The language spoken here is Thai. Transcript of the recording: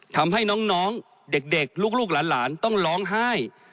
ทำให้น้องเด็กลูกหลานต้องร้องไห้